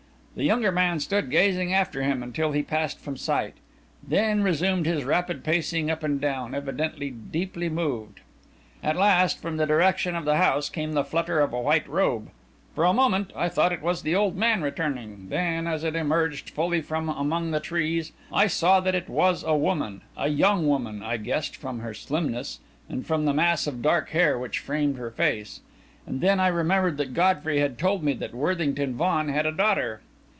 The younger man stood gazing after him until he passed from sight, then resumed his rapid pacing up and down, evidently deeply moved. At last from the direction of the house came the flutter of a white robe. For a moment, I thought it was the old man returning; then as it emerged fully from among the trees, I saw that it was a woman a young woman, I guessed, from her slimness, and from the mass of dark hair which framed her face. And then I remembered that Godfrey had told me that Worthington Vaughan had a daughter.